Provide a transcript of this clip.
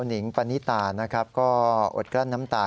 หิงปณิตานะครับก็อดกลั้นน้ำตา